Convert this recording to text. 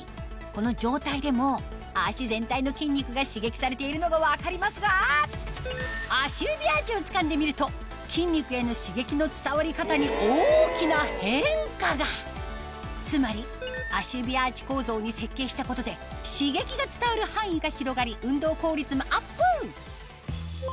この状態でも脚全体の筋肉が刺激されているのが分かりますが足指アーチをつかんでみると筋肉への刺激の伝わり方に大きな変化がつまり足指アーチ構造に設計したことで刺激が伝わる範囲が広がり運動効率もアップ！